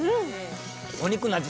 お肉の味